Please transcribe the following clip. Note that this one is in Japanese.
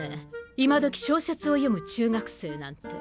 今時小説を読む中学生なんて。